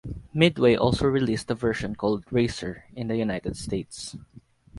Midway also released a version called "Racer" in the United States.